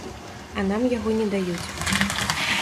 А нам яго не даюць.